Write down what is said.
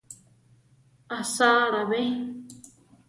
¿Asáala be?